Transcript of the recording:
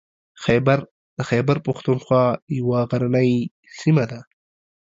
خیبر د خیبر پښتونخوا یوه غرنۍ سیمه ده.